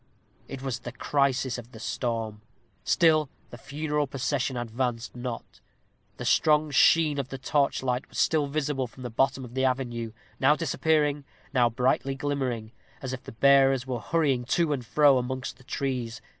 It was the crisis of the storm. Still the funeral procession advanced not. The strong sheen of the torchlight was still visible from the bottom of the avenue, now disappearing, now brightly glimmering, as if the bearers were hurrying to and fro amongst the trees.